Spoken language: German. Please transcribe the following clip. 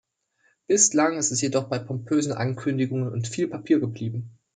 Bislang ist es jedoch bei pompösen Ankündigungen und viel Papier geblieben.